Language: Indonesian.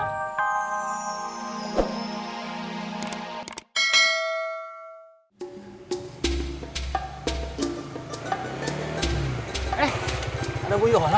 eh ada bu yola